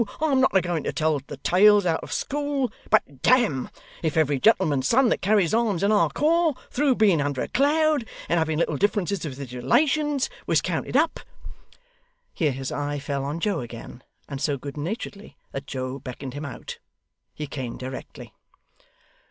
I'm not a going to tell tales out of school, but, damme, if every gentleman's son that carries arms in our corps, through being under a cloud and having little differences with his relations, was counted up' here his eye fell on Joe again, and so good naturedly, that Joe beckoned him out. He came directly.